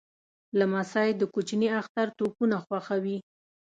لمسی د کوچني اختر توپونه خوښوي.